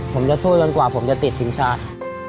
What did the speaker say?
ผมจะสู้จนกว่าผมจะติดทีมชาติ